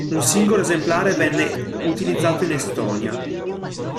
Un singolo esemplare venne utilizzato in Estonia.